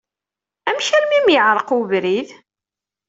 Amek armi i m-yeɛṛeq webrid?